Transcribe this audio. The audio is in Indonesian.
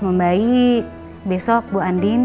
membaik besok bu andin